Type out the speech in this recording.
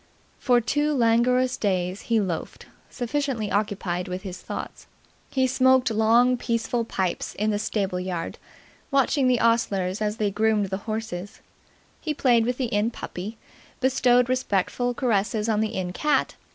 For two languorous days he loafed, sufficiently occupied with his thoughts. He smoked long, peaceful pipes in the stable yard, watching the ostlers as they groomed the horses; he played with the Inn puppy, bestowed respectful caresses on the Inn cat.